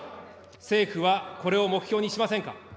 政府はこれを目標にしませんか。